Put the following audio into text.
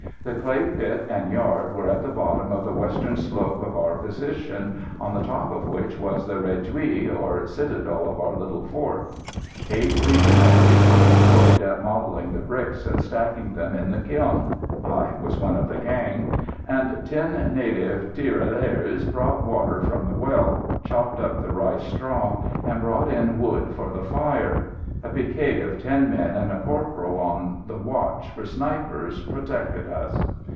The clay pit and yard were at the bottom of the western slope of our position, on the top of which was the réduit or citadel of our little fort. Eight Legionaries were employed at modelling the bricks and stacking them in the kiln (I was one of the gang), and ten native tirailleurs brought water from the well, chopped up the rice straw, and brought in wood for the fire. A picquet of ten men and a corporal, on the watch for snipers, protected us.